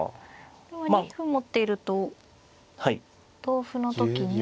これは２歩持っていると同歩の時に。